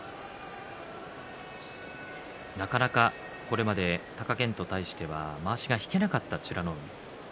なかなかこれまで貴健斗に対してまわしが引けなかった美ノ海。